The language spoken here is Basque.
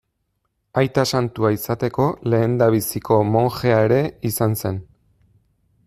Aita santua izateko lehendabiziko monjea ere izan zen.